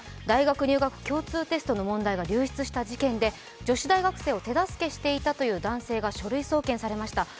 大学入学共通テストの問題が流出した事件で女子大学生を手助けしていたという男性が書類送検されました。